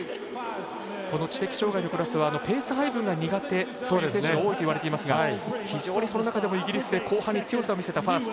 この知的障がいのクラスはペース配分が苦手という選手が多いといわれていますが非常にその中でもイギリス勢後半に強さを見せたファース。